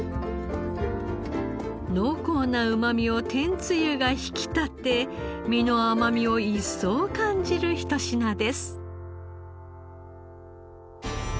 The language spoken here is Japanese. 濃厚なうまみを天つゆが引き立て身の甘みを一層感じるひと品です。